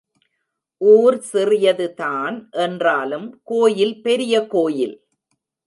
ஊர் சிறியதுதான் என்றாலும் கோயில் பெரிய கோயில்.